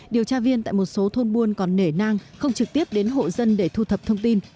điều tra viên tại một số thôn buôn còn nể nang không trực tiếp đến hộ dân để thu thập thông tin